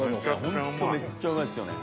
ホントめっちゃうまいっすよね。